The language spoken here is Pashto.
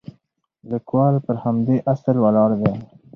لیکوال پر همدې اصل ولاړ دی.